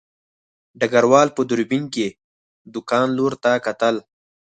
ډګروال په دوربین کې د کان لور ته کتل